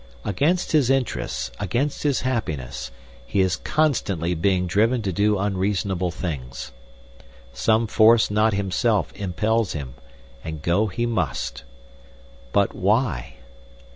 Against his interest, against his happiness, he is constantly being driven to do unreasonable things. Some force not himself impels him, and go he must. But why?